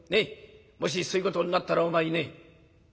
もしそういうことになったらお前ね